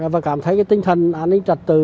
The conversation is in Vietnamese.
và cảm thấy tinh thần an ninh trật tự